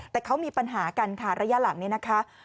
แต่เขามีปัญหากันค่ะระยะหลังนี้นะคะ